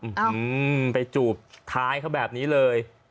อืมไปจูบท้ายเขาแบบนี้เลย